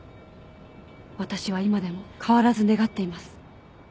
私は今でも変わらず願っています。